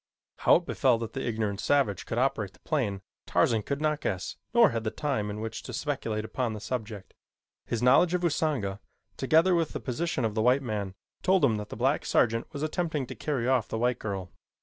How it befell that the ignorant savage could operate the plane, Tarzan could not guess nor had he time in which to speculate upon the subject. His knowledge of Usanga, together with the position of the white man, told him that the black sergeant was attempting to carry off the white girl.